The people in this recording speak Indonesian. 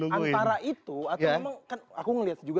antara itu aku ngeliat juga